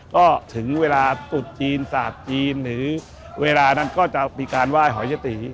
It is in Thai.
ก็ถึงเวลาตุดจีนศาสตร์จีนหรือเวลานั้นก็จะมีการไหว้หอยยตี